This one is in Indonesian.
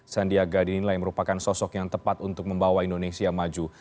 sandiaga dinilai merupakan sosok yang tepat untuk membawa indonesia maju